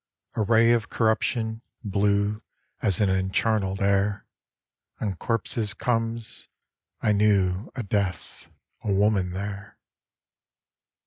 A ray of corruption, blue As in encharnel'd air On corpses comes. I knew A Death, a Woman there.